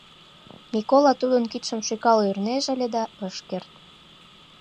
— Микола тудын кидшым шӱкал ойырынеже ыле да, ыш керт.